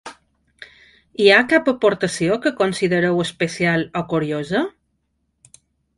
Hi ha cap aportació que considereu especial o curiosa?